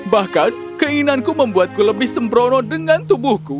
bahkan keinginanku membuatku lebih sembrono dengan tubuhku